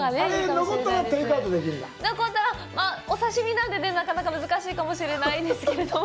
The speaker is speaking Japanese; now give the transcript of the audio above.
残ったら、お刺身なので、なかなか難しいかもしれないですけれども。